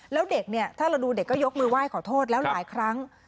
แล้วเด็กเนี่ยถ้าเราดูเด็กก็ยกมือไหว้ขอโทษแล้วหลายครั้ง